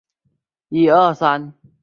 西班牙广场的西端。